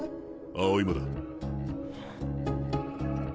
青井もだ。